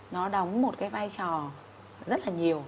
nó đóng một cái vai trò rất là nhiều